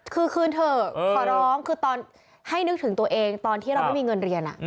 คือคืนเถอะขอร้องคือตอนให้นึกถึงตัวเองตอนที่เราไม่มีเงินเรียน